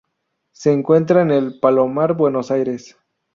Se encuentra en El Palomar, Buenos Aires.